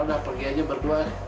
udah pergi aja berdua